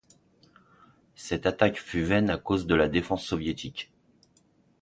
Cette attaque fut vaine à cause de la défense soviétique.